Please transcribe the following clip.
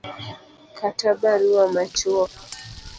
kata barua machuok